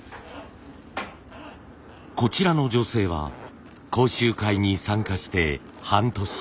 こちらの女性は講習会に参加して半年。